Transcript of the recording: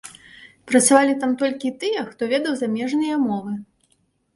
Працавалі там толькі тыя, хто ведаў замежныя мовы.